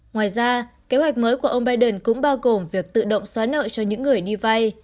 ngoài ra kế hoạch mới của ông biden cũng bao gồm việc tự động xóa nợ cho những người đi vay